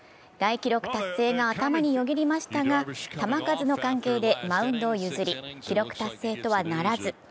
大記録達成が頭によぎりましたが球数の関係でマウンドを譲り記録達成とはならず。